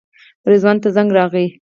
رضوان ته زنګ راغی.